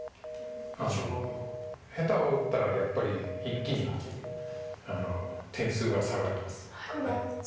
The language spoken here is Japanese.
下手を打ったらやっぱり一気に点数が下がります。